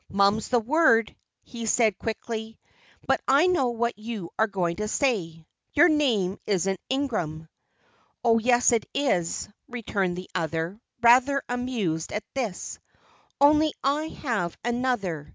"Mum's the word," he said, quickly, "but I know what you are going to say. Your name isn't Ingram." "Oh, yes, it is," returned the other, rather amused at this, "only I have another.